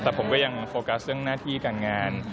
เตรียมโฟกัสเรื่องหน้าที่การงาน